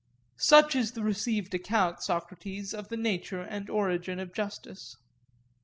Such is the received account, Socrates, of the nature and origin of justice.